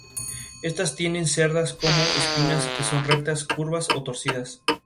Estás tiene cerdas como espinas que son rectas, curvas o torcidas.